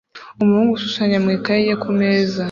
Umuhungu ushushanya mu ikaye ye kumeza